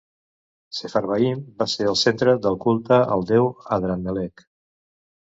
Sepharvaim va ser el centre del culte al déu Adramelech.